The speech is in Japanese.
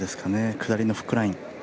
下りのフックライン。